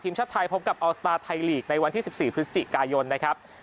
พบกับอัลสตาร์ไทยลีกในวันที่๑๔พฤศจิกายนนะครับ